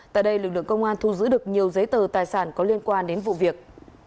tại đây lực lượng công an thu giữ được nhiều giấy tờ tài sản có liên quan đến vụ việc